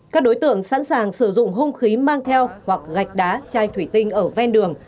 các đối tượng sẵn sàng sử dụng hung khí mang theo hoặc gạch đá chai thủy tinh ở ven đường